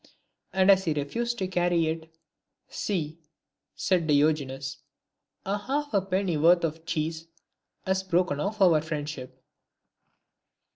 And as he refused to carry it, " See/' said Diogenes. " a halfpenny worth of cheese has broken off our friendship."